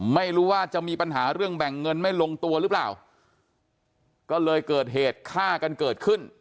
ไม่รู้ว่าจะมีปัญหาเรื่องแบ่งเงินไม่ลงตัวหรือเปล่าก็เลยเกิดเหตุฆ่ากันเกิดขึ้น